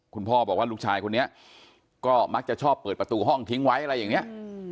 คุณพ่อบอกว่าลูกชายคนนี้ก็มักจะชอบเปิดประตูห้องทิ้งไว้อะไรอย่างนี้